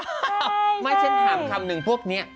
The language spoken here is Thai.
ใช่ไม่อย่างน้อยงั้นถามคำนึงพวกนี้